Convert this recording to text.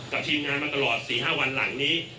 ทีมงานมาตลอด๔๕วันหลังนี้